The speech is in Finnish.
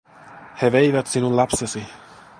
"He veivät sinun lapsesi.